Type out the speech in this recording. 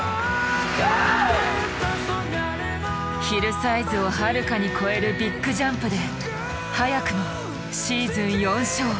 ヒルサイズをはるかに越えるビッグジャンプで早くもシーズン４勝！